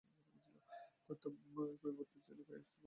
কৈবর্তের ছেলে কায়স্থ বলে চলে গেল, সে তো আমি নিজের চক্ষে দেখেছি।